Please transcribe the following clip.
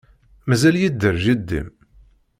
Mazal yedder jeddi-m?